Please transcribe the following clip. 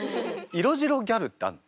色白ギャルってあるの？